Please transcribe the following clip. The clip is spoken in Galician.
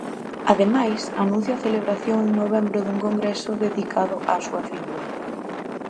Ademais, anuncia a celebración en novembro dun congreso dedicado á súa figura.